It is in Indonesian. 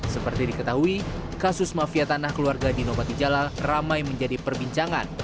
seperti diketahui kasus mafia tanah keluarga dino patijalal ramai menjadi perbincangan